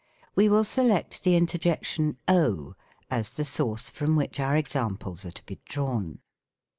We will select the interjection Oh ! as the source from which our examples are to be drawn.